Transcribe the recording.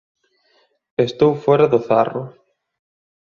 _Estou fóra do zarro.